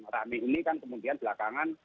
rame ini kan kemudian belakangan